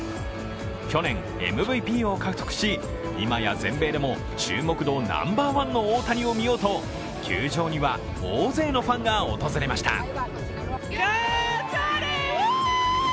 去年、ＭＶＰを獲得し、今や全米でも注目度ナンバーワンの大谷を見ようと球場には大勢のファンが訪れました。